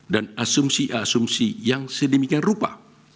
asumsi asumsi yang sedemikian rupa